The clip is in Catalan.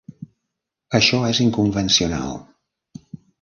Això és inconvencional.